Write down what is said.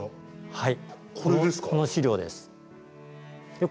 はい。